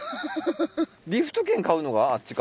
リフト券買うのがあっちか。